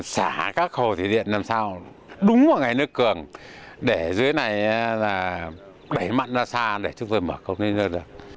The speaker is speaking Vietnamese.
xả các hồ thủy điện làm sao đúng vào ngày nước cường để dưới này đẩy mặn ra xa để chúng tôi mở công ty nước